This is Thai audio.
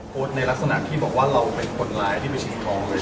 โปรดในลักษณะที่บอกว่าเราเป็นคนร้ายที่ไปฉีดคอ